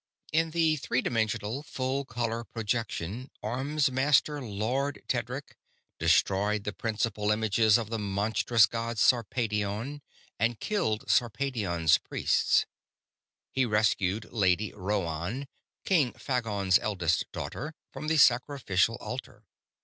"_ _In the three dimensional, full color projection Armsmaster Lord Tedric destroyed the principal images of the monstrous god Sarpedion and killed Sarpedion's priests. He rescued Lady Rhoann, King Phagon's eldest daughter, from the sacrificial altar.